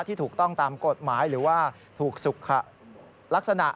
ที่ถูกต้องตามกฎหมายหรือว่าถูกสุขลักษณะ